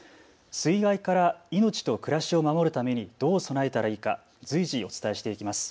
水害から命と暮らしを守るためにどう備えたらいいか随時お伝えしていきます。